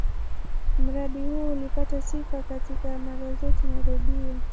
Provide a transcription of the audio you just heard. Mradi huu ulipata sifa katika magazeti na redio.